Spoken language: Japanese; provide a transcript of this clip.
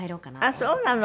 ああそうなの。